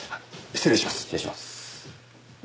失礼します。